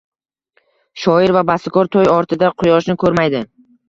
Shoir va bastakor to'y ortida quyoshni ko'rmaydi